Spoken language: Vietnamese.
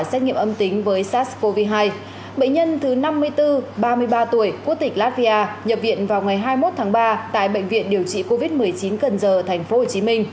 bệnh nhân thứ năm mươi bốn ba mươi ba tuổi quốc tịch latvia nhập viện vào ngày hai mươi một tháng ba tại bệnh viện điều trị covid một mươi chín cần giờ tp hcm